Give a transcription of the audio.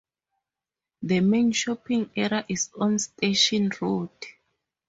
The main shopping area is on Station Road.